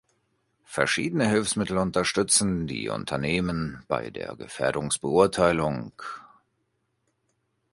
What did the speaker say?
Verschiedene Hilfsmittel unterstützen die Unternehmen bei der Gefährdungsbeurteilung.